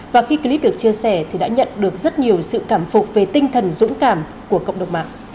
và khi clip được chia sẻ thì đã nhận được rất nhiều sự cảm phục về tinh thần dũng cảm của cộng đồng mạng